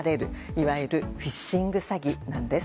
いわゆるフィッシング詐欺です。